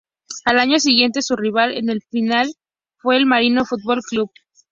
Al año siguiente su rival en la final fue el Marino Fútbol Club.